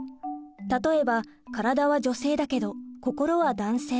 例えば体は女性だけど心は男性。